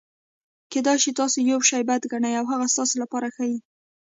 کېدای سي تاسي یوشي بد ګڼى او هغه ستاسي له پاره ښه يي.